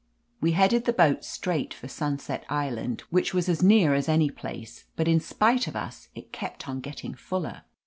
We headed the boat straight for Sunset Island, which was as near as any place, but in spite of us it kept on getting fuller.